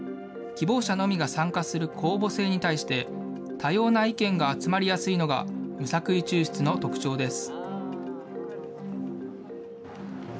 希望者のみが参加する公募制に対して、多様な意見が集まりやすいのが無作為抽出の特徴です。